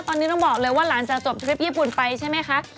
ตอนนี้ต้องบอกเลยว่าหลานจะจบเฉพาะเย็บญี่ปุ่นไปใช่ไหมคะ